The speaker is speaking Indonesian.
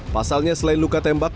pasalnya selain luka tembak